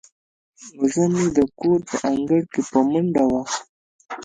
وزه مې د کور په انګړ کې په منډو ده.